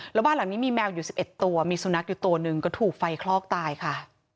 แล้วบ้านหลังนี้มีแมวอยู่๑๑ตัวมีสุนัขอยู่ตัวหนึ่งก็ถูกไฟคลอกตายค่ะ